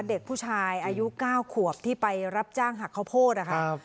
เด็กผู้ชายอายุ๙ขวบที่ไปรับจ้างหักข้าวโพดนะคะ